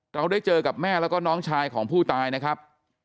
เราได้เจอกับแม่แล้วก็น้องชายของผู้ตายนะครับ